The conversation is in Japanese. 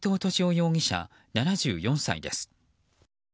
容疑者、７４歳です。